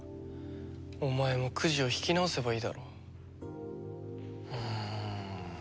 お前もくじを引き直せばいいだろ。うん。